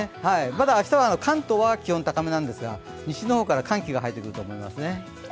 まだ明日は関東は気温が高めなんですが西の方から寒気が入ってくると思いますね。